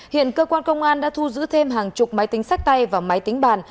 hiện cơ quan công an đã thu giữ thêm hàng chục máy tính sách tay và máy tính bàn